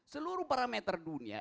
seluruh parameter dunia